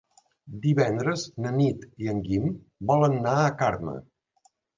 Divendres na Nit i en Guim volen anar a Carme.